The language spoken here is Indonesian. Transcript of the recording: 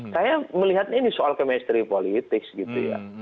saya melihat ini soal kemestri politik